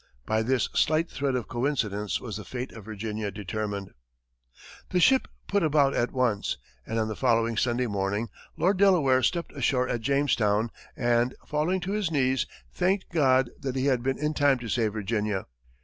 By this slight thread of coincidence was the fate of Virginia determined. The ship put about at once, and on the following Sunday morning, Lord Delaware stepped ashore at Jamestown, and, falling to his knees, thanked God that he had been in time to save Virginia.